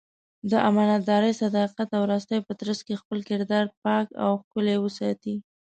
د امانتدارۍ، صداقت او راستۍ په ترڅ کې خپل کردار پاک او ښکلی وساتي.